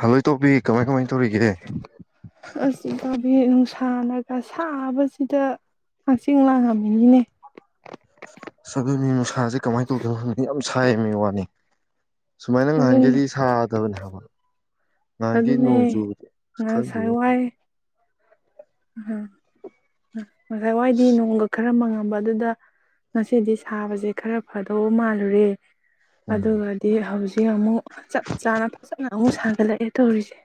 hello ꯏꯇꯥꯎꯄꯤ ꯀꯃꯥꯏ ꯀꯃꯥꯏ ꯇꯧꯔꯤꯒꯦ ꯑꯁ ꯏꯇꯥꯎꯕꯤ ꯅꯨꯡꯁꯥꯅꯒ ꯁꯥꯕꯁꯤꯗ ꯍꯛꯆꯤꯡ ꯂꯥꯡꯉꯝꯃꯤꯅꯤꯅꯦ ꯑꯗꯨꯅꯦꯃꯤ ꯅꯨꯡꯁꯥꯁꯦ ꯀꯃꯥꯏꯅ ꯇꯧꯗꯣꯏꯅꯣ ꯈꯪꯗꯦ ꯌꯥꯝ ꯁꯥꯏꯌꯦꯃꯤ ꯋꯥꯅꯤ ꯁꯨꯃꯥꯏꯅ ꯑꯗꯨꯅꯦ ꯉꯍꯥꯟꯒꯩꯗꯤ ꯁꯥꯗꯕꯅꯦ ꯍꯥꯏꯕ ꯉꯍꯥꯟꯒꯩ ꯅꯣꯡ ꯑꯗꯨꯅꯦ ꯆꯨꯕꯗꯣ ꯑꯁ ꯈꯪꯗꯦꯅꯦ ꯎꯝ ꯉꯁꯥꯏ ꯋꯥꯏꯗꯤ ꯅꯣꯡꯒ ꯈꯔ ꯃꯪꯉꯝꯕꯗꯨꯗ ꯉꯁꯤꯗꯤ ꯁꯥꯕꯖꯦ ꯈꯔ ꯐꯗꯧ ꯃꯥꯜꯂꯨꯔꯦ ꯎꯝ ꯑꯗꯨꯒꯗꯤ ꯍꯧꯖꯤꯛ ꯁꯤ ꯑꯃꯨꯛ ꯆꯞ ꯆꯥꯅ ꯐꯖꯅ ꯑꯃꯨꯛ ꯁꯥꯒꯠꯂꯛꯑꯦ ꯇꯧꯔꯤꯁꯦ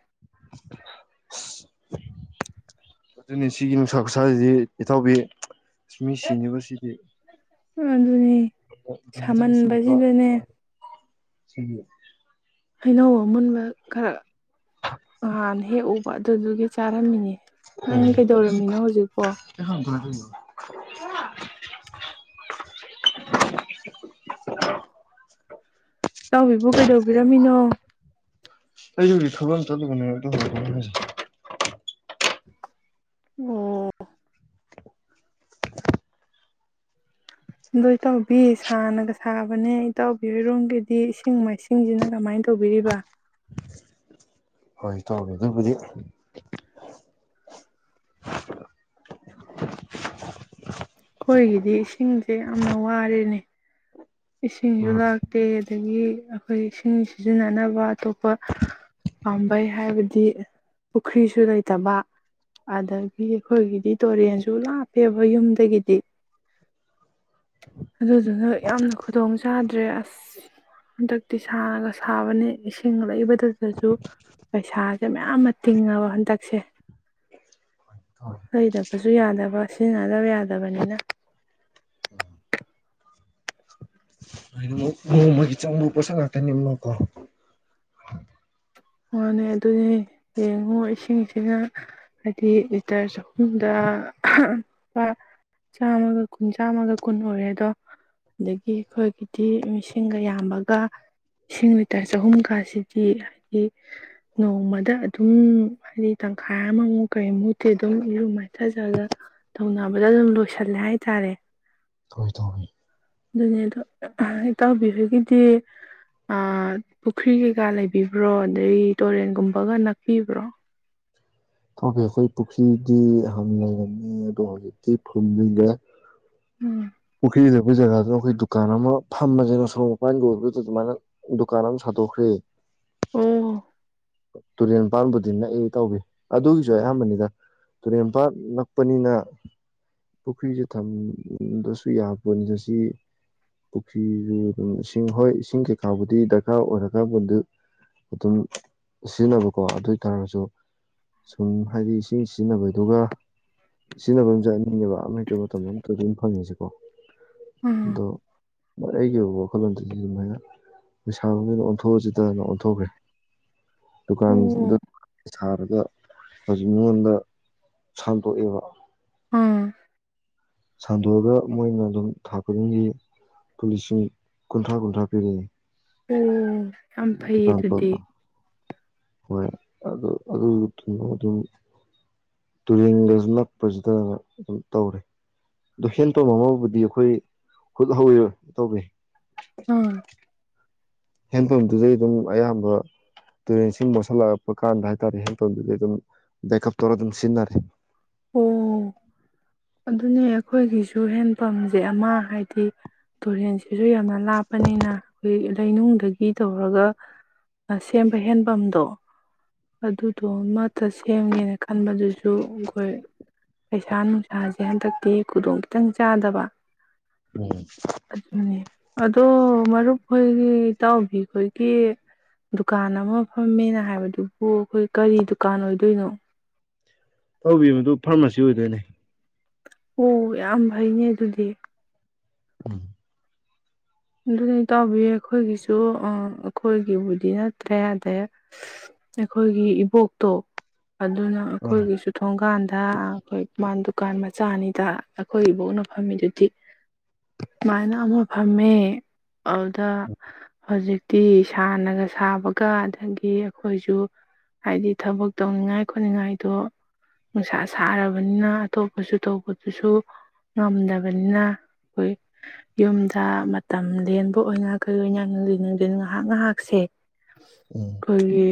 ꯑꯗꯨꯅꯤ ꯁꯤꯒꯤ ꯅꯨꯡꯁꯥ ꯈꯨꯁꯥꯁꯤꯗꯤ ꯏꯇꯥꯎꯕꯤ ꯃꯤ ꯁꯤꯅꯦꯕꯨꯁꯤꯗꯤ ꯎꯝ [unintelligible] ꯁꯤꯒꯤ ꯍꯩꯅꯧ ꯑꯃꯨꯟꯕ ꯈꯔ ꯅꯍꯥꯟ ꯍꯦꯛ ꯎꯕ ꯑꯗꯨꯗꯨꯒꯤ ꯆꯥꯔꯝꯃꯤꯅꯦ ꯅꯪ ꯎꯝ ꯀꯩꯗꯧꯔꯝꯃꯤꯅꯣ ꯍꯧꯖꯤꯛꯄꯣ [inaudible] ꯇꯥꯎꯕꯤꯕꯨ ꯀꯩꯗꯧꯕꯤꯔꯝꯃꯤꯅꯣ ꯑꯩꯖꯨ ꯍꯧꯖꯤꯛ ꯊꯕꯛ ꯑꯃ ꯆꯠꯂꯨꯕꯅꯦ ꯑꯗꯨ ꯑꯣ ꯑꯗꯣ ꯏꯇꯥꯎꯕꯤ ꯁꯥꯅꯒ ꯁꯥꯕꯅꯦ ꯏꯇꯥꯎꯕꯤ ꯍꯣꯏꯔꯣꯝꯒꯤꯗꯤ ꯏꯁꯤꯡ ꯃꯥꯏꯁꯤꯡꯖꯤꯅ ꯀꯃꯥꯏꯅ ꯇꯧꯕꯤꯔꯤꯕ ꯍꯣꯏ ꯇꯥꯎꯕꯤ ꯑꯗꯨꯕꯨꯗꯤ ꯑꯩꯈꯣꯏꯒꯤꯗꯤ ꯏꯁꯤꯡꯖꯦ ꯌꯥꯝꯅ ꯋꯥꯔꯦꯅꯦ ꯏꯁꯤꯡꯖꯨ ꯎꯝ ꯂꯥꯛꯇꯦ ꯑꯗꯒꯤ ꯑꯩꯈꯣꯏ ꯏꯁꯤꯡ ꯁꯤꯖꯤꯟꯅꯅꯕ ꯑꯇꯣꯞꯄ ꯄꯥꯝꯕꯩ ꯍꯥꯏꯕꯗꯤ ꯄꯨꯈ꯭ꯔꯤꯁꯨ ꯂꯩꯇꯕ ꯑꯗꯒꯤ ꯑꯩꯈꯣꯏꯒꯤꯗꯤ ꯇꯨꯔꯦꯟꯁꯨ ꯂꯥꯞꯄꯦꯕ ꯌꯨꯝꯗꯒꯤꯗꯤ ꯑꯗꯨꯗꯨꯅ ꯌꯥꯝꯅ ꯈꯨꯗꯣꯡ ꯆꯥꯗ꯭ꯔꯦ ꯑꯁ ꯍꯟꯗꯛꯇꯤ ꯁꯥꯒ ꯁꯥꯕꯅꯤ ꯏꯁꯤꯡ ꯂꯩꯕꯗꯨꯗꯁꯨ ꯄꯩꯁꯥꯁꯦ ꯃꯌꯥꯝ ꯑꯃ ꯇꯤꯡꯉꯕ ꯍꯟꯗꯛꯁꯦ ꯂꯩꯗꯕꯁꯨ ꯌꯥꯗꯕ ꯁꯤꯖꯤꯟꯅꯗꯕ ꯌꯥꯗꯕꯅꯤꯅ ꯅꯣꯡꯃꯒꯤ ꯆꯪꯕ ꯄꯣꯠꯁꯛ ꯉꯥꯛꯇꯅꯤꯅꯀꯣ ꯃꯥꯅꯦ ꯑꯗꯨꯅꯤ ꯌꯦꯡꯉꯣ ꯏꯁꯤꯡꯁꯤꯅ ꯍꯥꯏꯗꯤ ꯂꯤꯇꯔ ꯆꯍꯨꯝꯗ ꯂꯨꯄꯥ ꯆꯥꯝꯃꯒ ꯀꯨꯟ ꯆꯥꯝꯃꯒ ꯀꯨꯟ ꯑꯣꯏꯔꯦ ꯑꯗꯣ ꯑꯗꯒꯤ ꯑꯩꯈꯣꯏꯒꯤꯗꯤ ꯃꯤꯁꯤꯡꯒ ꯌꯥꯝꯕꯒ ꯏꯁꯤꯡ ꯂꯤꯇꯔ ꯆꯍꯨꯝꯒꯁꯤꯗꯤ ꯍꯥꯏꯗꯤ ꯅꯣꯡꯃꯗ ꯑꯗꯨꯝ ꯍꯥꯏꯗꯤ ꯇꯪꯈꯥꯏ ꯑꯃꯃꯨꯛ ꯀꯔꯤꯃꯨꯠꯇꯤ ꯑꯗꯨꯝ ꯏꯔꯨ ꯃꯥꯏꯊꯖꯕꯗ ꯇꯧꯅꯕꯗ ꯑꯗꯨꯝ ꯂꯣꯏꯁꯤꯜꯂꯦ ꯍꯥꯏꯇꯥꯔꯦ ꯍꯣꯏ ꯏꯇꯥꯎꯕꯤ ꯑꯗꯨꯅꯦ ꯑꯗꯣ ꯏꯇꯥꯎꯕꯤꯕꯒꯤꯗꯤ ꯑꯥ ꯄꯨꯈ꯭ꯔꯤ ꯀꯩꯀꯥ ꯂꯩꯕꯤꯕ꯭ꯔꯣ ꯑꯗꯩ ꯇꯣꯔꯦꯟꯒꯨꯝꯕꯒ ꯅꯛꯄꯤꯕ꯭ꯔꯣ ꯏꯇꯥꯎꯕꯤ ꯑꯩꯈꯣꯏ ꯄꯨꯈ꯭ꯔꯤꯗꯤ ꯍꯥꯟ ꯂꯩꯔꯝꯃꯤ ꯑꯗꯣ ꯍꯧꯖꯤꯛꯇꯤ ꯐꯨꯝꯖꯟꯒꯔꯦ ꯎꯝ ꯄꯨꯈꯔꯤꯗꯣ ꯑꯩꯈꯣꯏ ꯖꯒꯥꯗꯨꯅ ꯑꯩꯈꯣꯏ ꯗꯨꯀꯥꯟ ꯑꯃ ꯐꯝꯕꯅꯦꯕ ꯁꯣꯔꯣꯛ ꯃꯄꯥꯟꯒꯤ ꯑꯣꯏꯕꯗꯨꯗ ꯑꯗꯨꯃꯥꯏꯅ ꯗꯨꯀꯥꯟ ꯑꯃ ꯁꯥꯗꯣꯛꯈ꯭ꯔꯦ ꯑꯣ ꯇꯨꯔꯦꯟ ꯃꯄꯥꯟꯕꯨꯗꯤ ꯌꯥꯝ ꯅꯛꯑꯦ ꯏꯇꯥꯎꯕꯤ ꯑꯗꯨꯒꯤꯖꯨ ꯑꯌꯥꯝꯕꯅꯤꯗ ꯇꯨꯔꯦꯟ ꯄꯥꯟ ꯅꯛꯄꯅꯤꯅ ꯄꯨꯈ꯭ꯔꯤꯁꯤ ꯊꯝꯗꯁꯨ ꯌꯥꯕꯅꯤ ꯁꯤ ꯄꯨꯈ꯭ꯔꯤꯁꯨ ꯑꯗꯨꯝ ꯏꯁꯤꯡ ꯍꯣꯏ ꯏꯁꯤꯡ ꯀꯩꯀꯥꯕꯨꯗꯤ ꯗꯔꯀꯥꯔ ꯑꯣꯏꯔꯒꯕꯨ ꯑꯗꯨꯝ ꯁꯤꯖꯤꯟꯅꯕꯀꯣ ꯑꯗꯨ ꯑꯣꯏꯇꯥꯔꯖꯨ ꯁꯨꯝ ꯍꯥꯏꯗꯤ ꯏꯁꯤꯡ ꯁꯤꯖꯤꯟꯅꯕꯗꯨꯒ ꯁꯤꯖꯤꯟꯅꯕꯝꯖꯦ ꯑꯅꯤꯅꯦꯕ ꯑꯃ ꯃꯇꯝ ꯑꯝꯇ ꯑꯗꯨꯝ ꯐꯪꯉꯤꯖꯦꯀꯣ ꯎꯝ ꯑꯩꯒꯤ ꯑꯣꯏꯕ ꯋꯥꯈꯜꯂꯣꯟꯗꯨꯗꯤ ꯑꯗꯨꯃꯥꯏꯅ ꯄꯩꯁꯥ ꯑꯣꯏꯅ ꯑꯣꯟꯊꯣꯛꯑꯁꯤ ꯗꯅ ꯑꯣꯟꯊꯣꯛꯈ꯭ꯔꯦ ꯗꯨꯀꯥꯟꯖꯤꯗ ꯑꯣ ꯊꯥꯔꯒ ꯍꯧꯖꯤꯛ ꯃꯤꯉꯣꯟꯗ ꯁꯥꯟꯗꯣꯛꯑꯦꯕ ꯎꯝ ꯁꯟꯗꯣꯛꯑꯒ ꯃꯣꯏꯅ ꯑꯗꯨꯝ ꯊꯥ ꯈꯨꯗꯤꯡꯒꯤ ꯂꯨꯄ ꯂꯤꯁꯤꯡ ꯀꯨꯟꯊ꯭ꯔꯥ ꯀꯨꯟꯊ꯭ꯔꯥ ꯄꯤꯔꯛꯑꯦ ꯎꯝ ꯌꯥꯝ ꯐꯩꯌꯦ ꯑꯗꯨꯗꯤ ꯄ꯭ꯂꯣꯠꯇꯣ ꯍꯣꯏ ꯑꯗꯨ ꯑꯗꯨꯗꯨꯣ ꯑꯗꯨꯝ ꯇꯨꯔꯦꯟꯗꯁꯨ ꯅꯛꯄꯁꯤꯗ ꯑꯗꯨꯝ ꯇꯧꯔꯦ ꯑꯗꯣ ꯍꯦꯟꯄꯝ ꯑꯃꯕꯨꯗꯤ ꯑꯩꯈꯣꯏ ꯍꯨꯠ ꯍꯧꯋꯤꯔꯣꯏ ꯇꯧꯋꯦ ꯎꯝ ꯍꯦꯟ ꯄꯝꯗꯨꯗꯩ ꯑꯗꯨꯝ ꯑꯌꯥꯝꯕ ꯇꯨꯔꯦꯟꯁꯤꯡ ꯃꯣꯠꯁꯂꯛ ꯄ ꯀꯥꯟꯗ ꯍꯥꯏꯇꯥꯔꯦ ꯍꯦꯟ ꯄꯝꯗꯨꯗꯤ ꯑꯗꯨꯝ ꯕꯦꯀꯞ ꯇꯧꯔ ꯑꯗꯨꯝ ꯁꯤꯖꯤꯟꯅꯔꯦ ꯑꯣ ꯑꯗꯨꯅꯦ ꯑꯩꯈꯣꯏꯒꯤꯁꯨ ꯍꯦꯟꯄꯝꯖꯦ ꯑꯃ ꯍꯥꯏꯗꯤ ꯇꯨꯔꯦꯟꯁꯦ ꯁꯤꯁꯨ ꯌꯥꯝꯅ ꯂꯥꯞꯄꯅꯤꯅ ꯑꯩꯈꯣꯏ ꯂꯩꯅꯨꯡꯗꯒꯤ ꯇꯧꯔꯒ ꯁꯦꯝꯕ ꯍꯦꯟꯄꯝꯗꯣ ꯑꯗꯨꯗꯣ ꯑꯃꯠꯇ ꯁꯦꯝꯒꯦꯅ ꯈꯟꯕꯗꯨꯁꯨ ꯑꯩꯈꯣꯏ ꯄꯩꯁꯥ ꯅꯨꯡꯁꯥꯁꯦ ꯍꯟꯗꯛꯇꯤ ꯈꯨꯗꯣꯡ ꯈꯤꯇꯪ ꯆꯥꯗꯕ ꯎꯝ ꯑꯗꯨꯅꯤ ꯑꯗꯣ ꯃꯔꯨꯞꯈꯣꯏꯒꯤ ꯏꯇꯥꯎꯕꯤꯈꯣꯏꯒꯤ ꯗꯨꯀꯥꯟ ꯑꯃ ꯐꯝꯃꯦꯅ ꯍꯥꯏꯕꯗꯨꯕꯨ ꯑꯩꯈꯣꯏ ꯀꯔꯤ ꯗꯨꯀꯥꯟ ꯑꯣꯏꯗꯣꯏꯅꯣ ꯇꯧꯕꯤ ꯃꯗꯨ ꯐꯥꯔꯃꯥꯁꯤ ꯑꯣꯏꯗꯣꯏꯅꯦ ꯑꯣ ꯌꯥꯝ ꯐꯩꯅꯦ ꯑꯗꯨꯗꯤ ꯎꯝ ꯑꯗꯨꯅ ꯇꯥꯎꯕꯤ ꯑꯩꯈꯣꯏꯒꯤꯁꯨ ꯑꯩꯈꯣꯏꯒꯤꯕꯨꯗꯤ ꯅꯠꯇ꯭ꯔꯦ ꯑꯗꯩ ꯑꯩꯈꯣꯏꯒꯤ ꯏꯕꯣꯛꯇꯣ ꯑꯗꯨꯅ ꯎꯝ ꯑꯩꯈꯣꯏꯒꯤꯁꯨ ꯊꯣꯡꯒꯥꯟꯗ ꯑꯩꯈꯣꯏ ꯃꯥꯥꯟ ꯗꯨꯀꯥꯟ ꯃꯆꯥꯅꯤꯗ ꯑꯩꯈꯣꯏ ꯏꯕꯣꯛꯅ ꯐꯝꯃꯤꯗꯨꯗꯤ ꯁꯨꯃꯥꯏꯅ ꯑꯃ ꯐꯝꯃꯦ ꯑꯗꯨꯗ ꯍꯧꯖꯤꯛꯇꯤ ꯁꯥꯟꯅꯒ ꯁꯥꯕꯒ ꯑꯗꯒꯤ ꯑꯩꯈꯣꯏꯁꯨ ꯍꯥꯏꯗꯤ ꯊꯕꯛ ꯇꯧꯅꯤꯡꯉꯥꯏ ꯈꯣꯠꯅꯤꯡꯉꯥꯏꯗꯣ ꯅꯨꯡꯁꯥ ꯁꯥꯔꯕꯅꯤꯅ ꯑꯇꯣꯞꯄꯁꯨ ꯇꯧꯕꯗꯨꯁꯨ ꯉꯝꯗꯕꯅꯤꯅ ꯑꯩꯈꯣꯏ ꯌꯨꯝꯗ ꯇꯝ ꯂꯦꯟꯕ ꯑꯣꯏꯅ ꯀꯩ ꯑꯣꯏꯅ ꯗꯤ ꯅꯨꯡꯟ ꯉꯥꯏꯍꯥꯛ ꯉꯥꯏꯍꯥꯛꯁꯦ ꯎꯝ ꯑꯩꯈꯣꯏꯒꯤ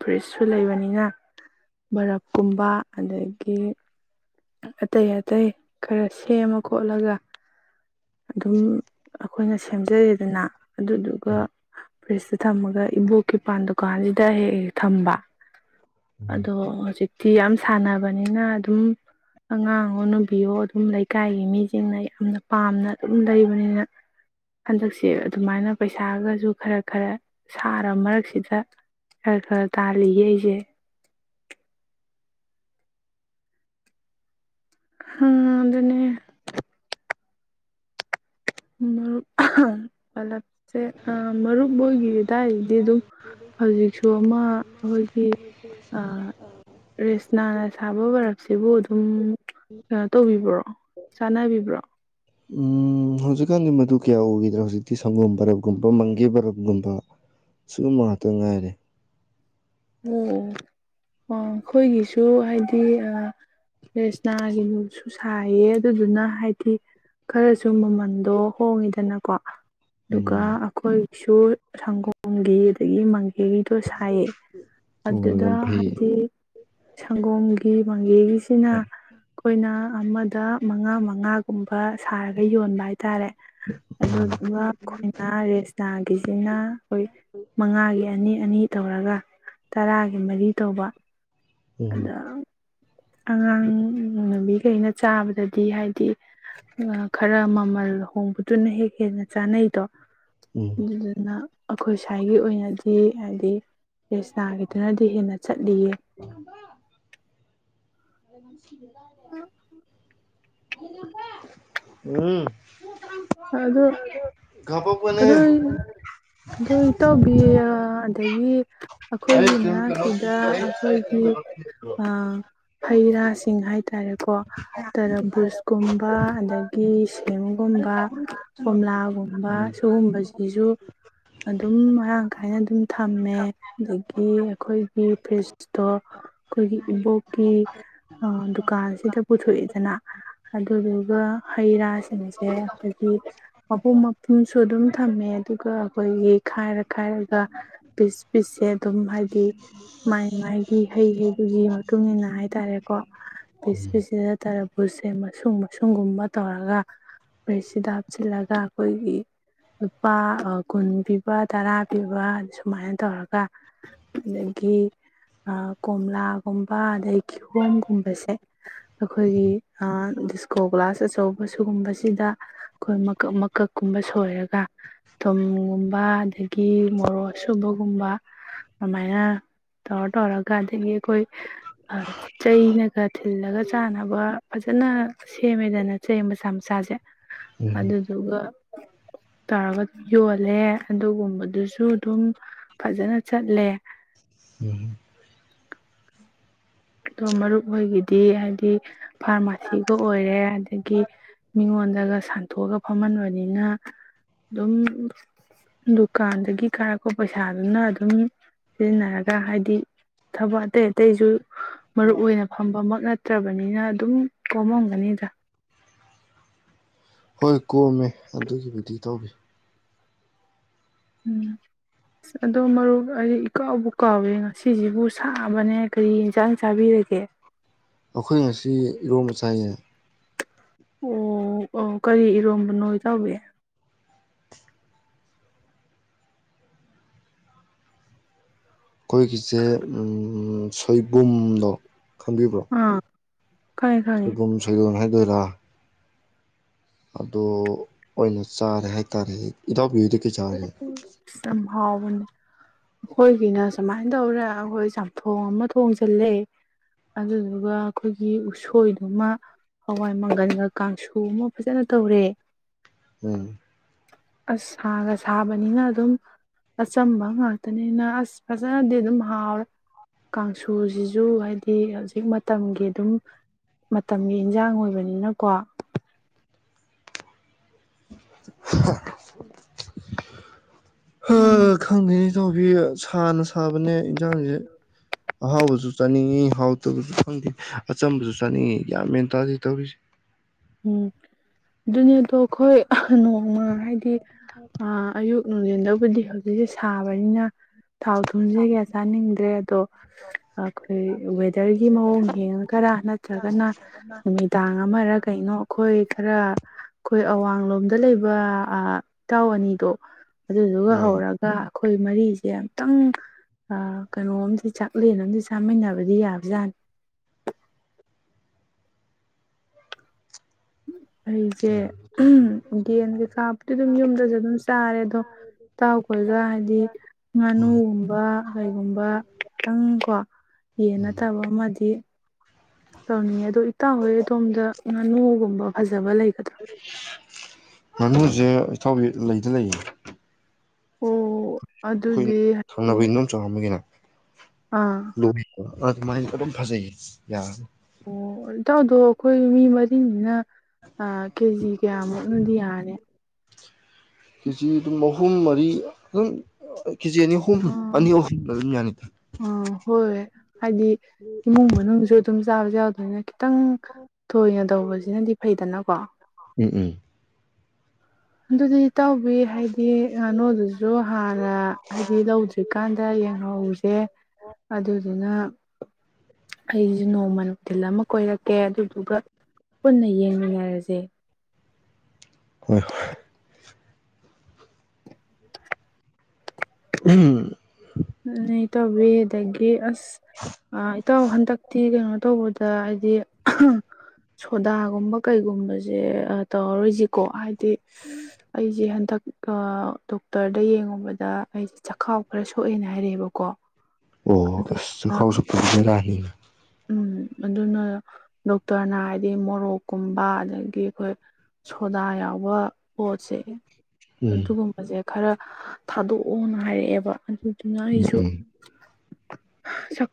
ꯐꯨ꯭ꯔꯤꯖꯁꯨ ꯂꯩꯕꯅꯤꯅ ꯕꯔꯞꯀꯨꯝꯕ ꯑꯗꯒꯤ ꯑꯇꯩ ꯑꯇꯩ ꯈꯔ ꯁꯦꯝꯃ ꯈꯣꯠꯂꯒ ꯑꯗꯨꯝ ꯑꯩꯈꯣꯏꯅ ꯁꯦꯝꯖꯔꯦꯗꯅ ꯑꯗꯨꯗꯨꯒ ꯎꯝ ꯐ꯭ꯔꯤꯖꯇ ꯊꯝꯃꯒ ꯏꯕꯣꯛꯀꯤꯄꯥꯟ ꯗꯨꯀꯥꯟꯁꯤꯗ ꯍꯦꯛ ꯍꯦꯛ ꯊꯝꯕ ꯑꯗꯣ ꯍꯧꯖꯤꯛꯇꯤ ꯌꯥꯝ ꯁꯥꯟꯅꯕꯅꯤꯅ ꯑꯗꯨꯝ ꯑꯉꯥꯡꯉꯣ ꯅꯨꯕꯤꯌꯣ ꯑꯗꯨꯝ ꯂꯩꯀꯥꯏꯒꯤ ꯃꯤꯁꯤꯡꯅ ꯌꯥꯝꯅ ꯄꯥꯝꯅ ꯑꯗꯨꯝ ꯂꯩꯕꯅꯤꯅ ꯍꯟꯗꯛꯁꯦ ꯑꯗꯨꯃꯥꯏꯅ ꯄꯩꯁꯥꯒꯁꯨ ꯈꯔ ꯈꯔ ꯁꯥꯔꯕ ꯃꯔꯛꯁꯤꯗ ꯈꯔ ꯈꯔ ꯇꯥꯜꯂꯤꯌꯦ ꯑꯩꯁꯦ ꯍꯥꯥ ꯑꯗꯨꯅꯦ ꯃꯔꯨꯞ ꯄꯂꯞꯁꯦ ꯃꯔꯨꯞ ꯅꯣꯏꯈꯤ ꯑꯗꯥꯏꯗꯤ ꯑꯗꯨꯝ ꯍꯧꯖꯤꯛ ꯁꯣ ꯑꯃ ꯑꯩꯈꯣꯏꯒꯤ ꯔꯦꯁꯅꯥꯅ ꯁꯥꯕ ꯕꯔꯞꯁꯤꯕꯨ ꯑꯗꯨꯝ ꯀꯩꯅꯣ ꯇꯧꯕꯤꯕ꯭ꯔꯣ ꯆꯥꯟꯅꯕꯤꯕ꯭ꯔꯣ ꯎ ꯍꯧꯖꯤꯛꯀꯥꯟꯗꯤ ꯃꯗꯨ ꯀꯌꯥ ꯎꯈꯤꯗ꯭ꯔꯦ ꯍꯧꯖꯤꯛꯇꯤ ꯁꯪꯒꯣꯝ ꯕꯔꯞꯒꯨꯝꯕ ꯃꯪꯒꯦ ꯕꯔꯞꯀꯨꯝꯕ ꯁꯤꯒꯨꯝꯕ ꯉꯥꯛꯇ ꯉꯥꯏꯔꯦ ꯑꯣ ꯑꯣ ꯑꯩꯈꯣꯏꯒꯤꯁꯨ ꯍꯥꯏꯗꯤ ꯔꯦꯁꯅꯥꯒꯤꯗꯨꯁꯨ ꯁꯥꯏꯌꯦ ꯑꯗꯨꯗꯨꯅ ꯍꯥꯏꯗꯤ ꯈꯔꯁꯨ ꯃꯃꯟꯗꯣ ꯍꯣꯡꯉꯤꯗꯅꯀꯣ ꯑꯗꯨꯒ ꯎꯝ ꯑꯈꯣꯏ ꯁꯨ ꯁꯪꯒꯣꯝꯒꯤ ꯑꯗꯒꯤ ꯌꯨꯕꯤ ꯇꯣ ꯁꯥꯏꯌꯦ ꯑꯣ ꯑꯗꯨꯗ ꯌꯥꯝ ꯐꯩ ꯍꯥꯏꯗꯤ ꯁꯪꯒꯣꯝꯒꯤ ꯃꯪꯒꯦꯒꯤ ꯁꯤꯅ ꯌꯥꯝ ꯑꯩꯈꯣꯏꯅ ꯑꯃꯗ ꯃꯉꯥ ꯃꯉꯥ ꯨꯒꯨꯝꯕ ꯁꯥꯔꯒ ꯌꯣꯟꯕ ꯍꯥꯏꯇꯥꯔꯦ ꯑꯗꯨꯗꯨꯒ ꯑꯩꯈꯣꯏꯅ ꯔꯦꯁꯅꯥꯒꯤꯁꯤꯅ ꯑꯩꯈꯣꯏ ꯃꯉꯥꯒꯤ ꯑꯅꯤ ꯑꯅꯤ ꯇꯧꯔꯒ ꯇꯔꯥꯒꯤ ꯃꯔꯤ ꯇꯧꯕ ꯎꯝ ꯑꯗ ꯑꯉꯥꯡ ꯅꯨꯕꯤꯈꯩꯅ ꯆꯥꯕꯗꯗꯤ ꯍꯥꯏꯗꯤ ꯈꯔ ꯃꯃꯜ ꯍꯣꯡꯕ ꯑꯗꯨꯨꯅ ꯍꯦꯛ ꯍꯦꯟꯅ ꯆꯥꯅꯩꯗꯣ ꯎꯝ ꯑꯗꯨꯗꯨꯅ ꯑꯩꯈꯣꯏ ꯁ꯭ꯋꯥꯏꯒꯤ ꯑꯣꯏꯅꯗꯤ ꯍꯥꯏꯗꯤ ꯔꯦꯁꯅꯥꯒꯤꯗꯨꯅꯗꯤ ꯍꯦꯟꯅ ꯆꯠꯂꯤꯌꯦ ꯃꯂꯦꯃꯉꯟꯕ ꯎꯝ ꯑꯗꯨ ꯀꯥꯄꯛꯄꯅꯦ ꯀꯗꯥꯏꯅꯣ ꯑꯗꯣ ꯏꯇꯥꯎꯕꯤ ꯑꯗꯒꯤ ꯑꯩ ꯑꯈꯣꯏꯒꯤ ꯀꯩꯅꯣ ꯀꯩꯅꯣ ꯃꯅꯥꯛꯁꯤꯗ ꯑꯩ ꯑꯩ ꯑꯈꯣꯏꯒꯤ ꯀꯩꯅꯣ ꯍꯩ ꯔꯥꯁꯤꯡ ꯍꯥꯏꯇꯥꯔꯦꯀꯣ ꯇꯔꯕꯨꯁꯀꯨꯝꯕ ꯑꯗꯒꯤ ꯁꯦꯝꯒꯨꯝꯕ ꯀꯣꯝꯂꯥꯒꯨꯝꯕ ꯎꯝ ꯁꯤꯒꯨꯝꯕꯁꯤꯁꯖꯨ ꯑꯗꯨꯝ ꯃꯔꯥꯡ ꯀꯥꯏꯅ ꯑꯗꯨꯝ ꯊꯝꯃꯦ ꯑꯗꯒꯤ ꯑꯈꯣꯏꯒꯤ ꯐ꯭ꯔꯤꯖꯇꯣ ꯑꯈꯣꯏꯒꯤ ꯏꯕꯣꯛꯀꯤ ꯗꯨꯀꯥꯟꯁꯤꯗ ꯄꯨꯊꯣꯛꯑꯦꯗꯅ ꯑꯗꯨꯗꯨꯒ ꯍꯩ ꯔꯥꯁꯤꯡꯁꯦ ꯍꯩ ꯃꯄꯨꯝ ꯃꯄꯨꯝꯁꯨ ꯑꯗꯨꯝ ꯊꯝꯃꯦ ꯑꯗꯨꯒ ꯑꯈꯣꯏꯒꯤ ꯈꯥꯏꯔ ꯈꯥꯏꯔꯒ ꯄꯤꯁ ꯄꯤꯁꯁꯦ ꯑꯗꯨꯝ ꯍꯥꯏꯗꯤ ꯃꯥꯏ ꯃꯥꯏꯒꯤ ꯍꯩ ꯍꯩꯗꯨꯒꯤ ꯃꯇꯨꯡ ꯏꯟꯅ ꯍꯥꯏꯇꯥꯔꯦꯀꯣ ꯄꯤꯁ ꯄꯤꯁ ꯁꯤꯗ ꯇꯔꯕꯨꯁꯁꯦ ꯃꯁꯨꯡ ꯃꯁꯨꯡ ꯁꯒꯨꯝꯕ ꯇꯧꯔꯒ ꯁꯤꯗ ꯍꯥꯞꯆꯤꯜꯂꯒ ꯑꯈꯣꯏꯒꯤ ꯂꯨꯄꯥ ꯀꯨꯟ ꯄꯤꯕ ꯇꯔꯥ ꯄꯤꯕ ꯁꯨꯃꯥꯏꯅ ꯇꯧꯔꯒ ꯑꯗꯒꯤ ꯀꯣꯝꯂꯥꯒꯨꯝꯕ ꯑꯗꯒꯤ ꯀꯤꯍꯣꯝꯒꯨꯝꯕꯁꯦ ꯑꯈꯣꯏꯒꯤ ꯗꯤꯁꯀꯣ ꯒ꯭ꯂꯥꯁ ꯑꯆꯧꯕ ꯁꯤꯨꯒꯨꯝꯕꯁꯤꯗ ꯑꯈꯣꯏ ꯃꯀꯛ ꯃꯀꯛꯀꯨꯝꯕ ꯁꯣꯏꯔꯒ ꯊꯨꯝꯒꯨꯝꯕ ꯑꯗꯒꯤ ꯃꯣꯔꯣꯛ ꯑꯁꯨꯕꯒꯨꯝꯕ ꯑꯗꯨꯃꯥꯏꯅ ꯇꯧꯔ ꯇꯧꯔꯒ ꯑꯗꯒꯤ ꯑꯈꯣꯏ ꯑ ꯆꯩꯅꯒ ꯊꯤꯜꯂꯒ ꯆꯥꯅꯕ ꯐꯖꯅ ꯁꯦꯝꯃꯦꯗꯅ ꯆꯩ ꯃꯆꯥ ꯃꯆꯥꯖꯦ ꯎꯝ ꯑꯗꯨꯗꯨꯒ ꯇꯔꯒ ꯌꯣꯜꯂꯦ ꯑꯗꯨꯒꯨꯝꯕꯗꯨꯁꯨ ꯑꯗꯨꯝ ꯐꯖꯅ ꯆꯠꯂꯦ ꯎꯝ ꯑꯗꯣ ꯃꯔꯨꯞ ꯅꯣꯏꯒꯤꯗꯤ ꯍꯥꯏꯗꯤ ꯐꯥꯔꯃꯥꯁꯤꯒ ꯑꯣꯏꯔꯦ ꯑꯗꯒꯤ ꯃꯤꯉꯣꯟꯗꯒ ꯁꯥꯟꯇꯣꯛꯑꯒ ꯐꯝꯍꯟꯕꯅꯤꯅ ꯑꯗꯨꯝ ꯗꯨꯀꯥꯟꯗꯒꯤ ꯀꯥꯔꯛꯄ ꯄꯩꯁꯥꯗꯨꯅ ꯑꯗꯨꯝ ꯁꯤꯖꯤꯟꯅꯔꯒ ꯍꯥꯏꯗꯤ ꯊꯕꯛ ꯑꯇꯩ ꯑꯇꯩꯖꯨ ꯃꯔꯨꯞ ꯑꯣꯏꯅ ꯐꯝꯕꯃꯛ ꯅꯠ ꯐꯠꯇ꯭ꯔꯕꯅꯤꯅ ꯑꯗꯨꯝ ꯀꯣꯝꯃꯝꯒꯅꯤꯗ ꯍꯣꯏ ꯀꯣꯝꯃꯦ ꯑꯗꯨꯒꯤꯕꯨꯗꯤ ꯏꯇꯥꯎꯕꯤ ꯎꯝ ꯑꯁ ꯑꯗꯣ ꯃꯔꯨꯞ ꯑꯩꯗꯤ ꯏꯀꯥꯎꯕꯨ ꯀꯥꯎꯋꯦ ꯉꯁꯤꯖꯤꯕꯨ ꯁꯥꯕꯅꯦ ꯀꯔꯤ ꯢꯟꯁꯖꯥꯡ ꯆꯥꯕꯤꯔꯒꯦ ꯑꯩꯈꯣꯏ ꯉꯁꯤ ꯏꯔꯣꯝꯕ ꯆꯥꯏꯌꯦ ꯑꯣ ꯑꯣ ꯀꯔꯤ ꯏꯔꯣꯝꯕꯅꯣ ꯏꯇꯥꯎꯕꯤ ꯑꯩꯈꯣꯏꯒꯤꯁꯦ ꯎꯝ ꯁꯣꯏꯕꯨꯝꯗꯣ ꯈꯪꯕꯤꯕ꯭ꯔꯣ ꯑꯥ ꯈꯪꯉꯦ ꯈꯪꯉꯦ ꯁꯣꯏꯕꯨꯝ ꯁꯣꯏꯗꯣꯟ ꯍꯥꯏ ꯑꯣꯏꯔꯥ ꯑꯗꯨ ꯑꯣꯏꯅ ꯆꯥꯔꯦ ꯍꯥꯏꯇꯥꯔꯦ ꯏꯇꯥꯎꯕꯤꯍꯣꯏꯗꯤ ꯁ ꯌꯥꯝ ꯍꯥꯎꯕꯅꯤ ꯑꯈꯣꯏꯒꯤꯅ ꯁꯨꯃꯥꯏꯅ ꯇꯧꯔꯦ ꯑꯈꯣꯏ ꯆꯝꯊꯣꯡ ꯑꯃ ꯊꯣꯡꯖꯤꯜꯂꯦ ꯑꯗꯨꯗꯨꯒ ꯑꯈꯣꯏꯒꯤ ꯎꯁꯣꯏꯗꯨꯃ ꯍꯋꯥꯏ ꯃꯪꯒꯟꯒ ꯀꯥꯡꯁꯨ ꯑꯃ ꯐꯖꯅ ꯇꯧꯔꯦ ꯎꯝ ꯑꯁ ꯁꯥꯒ ꯁꯥꯕꯅꯤꯅ ꯑꯗꯨꯝ ꯑꯆꯝꯕ ꯉꯥꯛꯇꯅꯤꯅ ꯑꯁ ꯐꯖꯅꯗꯤ ꯑꯗꯨꯝ ꯍꯥꯎꯔꯦ ꯀꯥꯡꯁꯨꯖꯤꯖꯨ ꯍꯥꯏꯗꯤ ꯍꯖꯤꯛ ꯃꯇꯝꯒꯤ ꯑꯗꯨꯝ ꯃꯇꯝꯒꯤ ꯏꯟꯁꯖꯥꯡ ꯑꯣꯏꯕꯅꯤꯅꯀꯣ ꯑ ꯎꯝ ꯈꯪꯉꯦ ꯅꯥꯎꯕꯤ ꯁꯥꯟꯅꯁꯥ ꯐꯥꯕꯅꯦ ꯢꯟꯁꯥꯡꯁꯦ ꯑꯍꯥꯎꯕꯁꯨ ꯆꯥꯅꯤꯡꯉꯤ ꯍꯥꯎꯇꯕꯁꯨ ꯈꯪꯗꯦ ꯑꯆꯝꯕꯁꯨ ꯆꯥꯅꯤꯡꯏꯤ ꯒ꯭ꯌꯥꯟ ꯃꯦꯟ ꯇꯥꯊꯦ ꯇꯧꯔꯤꯁꯦ ꯎꯝ ꯑꯗꯨꯅꯦꯗꯣ ꯑꯩꯈꯣꯏ ꯅꯣꯡꯃ ꯍꯥꯏꯗꯤ ꯩꯑꯥ ꯑꯌꯨꯛ ꯅꯨꯡꯊꯤꯟꯗꯕꯨꯗꯤ ꯍꯧꯖꯤꯛꯁꯦ ꯁꯥꯕꯅꯤꯅ ꯊꯥꯎ ꯊꯨꯝꯁꯦ ꯀꯌꯥ ꯆꯥꯅꯤꯡꯗ꯭ꯔꯦ ꯑꯗꯣ ꯑꯩꯈꯣꯏ ꯋꯦꯗꯔꯒꯤ ꯃꯑꯣꯡ ꯌꯦꯡꯉꯥꯒꯔꯥ ꯅꯠꯇ꯭ꯔꯒꯅ ꯅꯨꯃꯤꯗꯥꯡ ꯑꯃꯔ ꯑꯩꯈꯣꯏ ꯈꯥꯔ ꯑꯩꯈꯣꯏ ꯑꯋꯥꯡꯂꯣꯝꯗ ꯂꯩꯕ ꯏꯇꯥꯎ ꯑꯅꯤꯗꯣ ꯑꯗꯨꯗꯨꯒ ꯎꯝ ꯍꯧꯔꯒ ꯑꯩꯈꯣꯏ ꯃꯔꯤꯁꯦ ꯑꯝꯇꯪ ꯀꯩꯅꯣꯝꯗꯤ ꯆꯥꯛꯂꯦꯟ ꯑꯃꯥꯗꯤ ꯆꯥꯃꯤꯟꯅꯕꯗꯤ ꯌꯥꯕꯖꯥꯠꯅꯤ ꯑꯩꯁꯦ ꯑꯗꯨꯁꯨ ꯌꯦꯟꯒꯤ ꯈꯥꯞꯄꯗꯤ ꯑꯗꯨꯝ ꯌꯨꯝꯗꯁꯨ ꯑꯗꯨꯝ ꯆꯥꯔꯦ ꯑꯗꯣ ꯢꯇꯥꯎꯈꯣꯏꯒ ꯍꯥꯏꯗꯤ ꯍꯣꯏ ꯉꯥꯅꯨꯒꯨꯝꯕ ꯀꯩꯒꯨꯝꯕ ꯈꯤꯇꯪꯀꯣ ꯌꯦꯟ ꯅꯠꯇꯕ ꯑꯃꯗꯤ ꯇꯧꯅꯤꯡꯉꯦ ꯑꯗꯣ ꯏꯇꯥꯎꯕꯤ ꯍꯣꯏ ꯑꯗꯣꯝꯗ ꯉꯥꯅꯨꯒꯨꯝꯕ ꯐꯖ ꯐꯖꯕ ꯂꯩꯒꯗ꯭ꯔꯥ ꯉꯥꯅꯨꯁꯦ ꯏꯊꯥꯎꯕꯤ ꯂꯩꯗꯤ ꯂꯩꯌꯦ ꯑꯣ ꯑꯩꯈꯣꯏ ꯑꯗꯨꯗꯤ ꯍꯥꯏꯗꯤ ꯊꯪꯡꯅꯕ ꯏꯗꯣꯝꯆꯥ ꯑꯃꯥꯒꯤꯅꯦ ꯑꯥ ꯂꯣꯕꯤꯠꯇꯥ ꯑꯗꯨꯃꯥꯏꯅꯁ ꯑꯗꯨꯝ ꯐꯖꯩꯌꯦ ꯌꯥꯔꯅꯤ ꯑꯣ ꯏꯇꯥꯎꯗꯣ ꯑꯩꯈꯣꯏ ꯃꯤ ꯃꯔꯤꯅꯤꯅ ꯑꯥ ꯀꯦꯖꯤ ꯀꯌꯥꯃꯨꯛꯅꯗꯤ ꯌꯥꯔꯅꯤ ꯀꯦꯖꯤ ꯑꯗꯨꯝ ꯑꯍꯨꯝ ꯃꯔꯤ ꯑꯗꯨꯝ ꯀꯦꯖꯤ ꯑꯅꯤ ꯑꯍꯨꯝ ꯑꯣ ꯑꯅꯤ ꯑꯍꯨꯝ ꯑꯗꯨꯝ ꯌꯥꯅꯤꯗ ꯑ ꯍꯣꯏ ꯍꯥꯏꯗꯤ ꯏꯃꯨꯡ ꯃꯅꯨꯡꯁꯨ ꯑꯗꯨꯝ ꯆꯥꯕꯖꯨ ꯌꯥꯎ ꯗꯣꯢꯅ ꯈꯤꯇꯪ ꯊꯣꯏꯅ ꯇꯧꯕꯁꯤꯅꯗꯤ ꯐꯩꯗꯅ ꯀꯣ ꯎꯝ ꯎꯝ ꯑꯗꯨꯗꯤ ꯢꯇꯥꯎꯕꯤ ꯍꯥꯏꯗꯤ ꯉꯥꯅꯨꯗꯨꯁꯨ ꯍꯥꯟꯅ ꯍꯥꯏꯗꯤ ꯂꯧꯗ꯭ꯔꯤꯀꯥꯟꯗ ꯌꯦꯡꯍꯧꯁꯦ ꯑꯗꯨꯗꯨꯅ ꯑꯩꯁꯨ ꯅꯣꯡꯃ ꯅꯨꯡꯊꯤꯜ ꯑꯃꯥ ꯀꯣꯏꯔꯛꯀꯦ ꯑꯗꯨꯗꯨꯒ ꯄꯨꯟꯅ ꯌꯦꯡꯃꯤꯟꯅꯔꯁꯦ ꯍꯣꯢ ꯍꯣꯢ ꯎꯝ ꯑꯗꯨꯅꯦ ꯢꯇꯥꯎꯕꯤ ꯑꯗꯥꯒꯤ ꯑꯁ ꯑꯁ ꯑꯥ ꯏꯇꯥꯎ ꯍꯟꯇꯛꯇꯤ ꯀꯩꯅꯣ ꯇꯧꯕꯗꯣ ꯗꯥ ꯍꯥꯏꯗꯤ ꯁꯣꯗꯥꯒꯨꯝꯕ ꯀꯩꯒꯨꯝꯕꯁꯦ ꯇꯧꯔꯔꯣꯏꯁꯤꯀꯣ ꯍꯥꯏꯗꯤ ꯑꯩꯁꯦ ꯍꯟꯗꯛ ꯑꯥ ꯗꯣꯛꯇꯔꯗ ꯌꯦꯡꯉꯨꯕꯗ ꯑꯩꯁꯦ ꯆꯈꯥꯎ ꯈꯔ ꯁꯣꯛ ꯁꯣꯛꯑꯦꯅ ꯍꯥꯏꯔꯛꯑꯦꯕꯀꯣ ꯑꯣ ꯑꯁ ꯑꯗꯨꯅ ꯆꯈꯥꯎ ꯁꯣꯛꯄꯁꯨ ꯚꯦꯔꯥꯅꯤ ꯎꯝ ꯑꯗꯨꯅ ꯗꯣꯛꯇꯔꯅ ꯍꯥꯏꯗꯤ ꯃꯣꯔꯣꯛꯀꯨꯝꯕ ꯑꯗꯒꯤ ꯑꯩꯈꯣꯏ ꯁꯣꯗꯥ ꯌꯥꯎꯕ ꯄꯣꯠꯁꯦ ꯎꯝ ꯑꯗꯨ ꯒꯨꯝꯕꯖꯦ ꯈꯔ ꯊꯥꯗꯣꯛꯑꯣꯅ ꯍꯥꯏꯔꯛꯑꯦꯕ ꯑꯗꯨꯅ ꯎꯝ ꯑꯩꯖꯨ ꯎꯝ [inaudible]